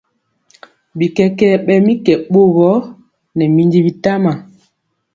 Bikɛkɛ ɓɛ mi kɛ ɓogɔ nɛ minji bitama.